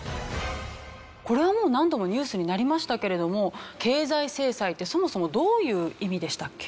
これはもう何度もニュースになりましたけれども経済制裁ってそもそもどういう意味でしたっけ？